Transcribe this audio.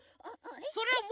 あれ？